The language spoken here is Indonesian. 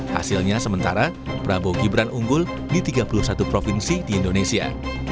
hasilnya sementara prabowo gibran unggul di tiga puluh satu provinsi di indonesia